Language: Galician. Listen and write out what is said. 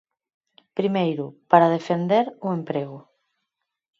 Primeiro, para defender o emprego.